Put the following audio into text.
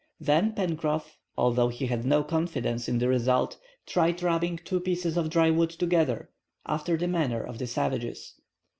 Then Pencroff, although he had no confidence in the result, tried rubbing two pieces of dry wood together, after the manner of the savages.